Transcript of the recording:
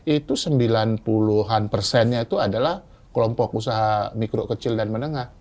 itu sembilan puluh an persennya itu adalah kelompok usaha mikro kecil dan menengah